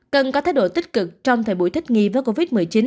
cần có thái độ tích cực trong thời buổi thích nghi với covid một mươi chín